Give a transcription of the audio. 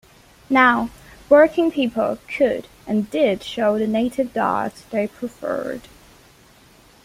Now, working people could and did show the native dogs they preferred.